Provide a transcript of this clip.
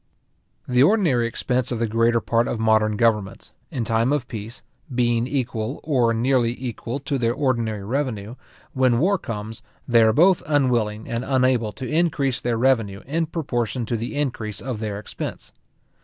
The ordinary expense of the greater part of modern governments, in time of peace, being equal, or nearly equal, to their ordinary revenue, when war comes, they are both unwilling and unable to increase their revenue in proportion to the increase of their expense.